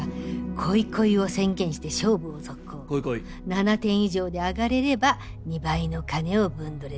７点以上であがれれば２倍の金を分捕れる。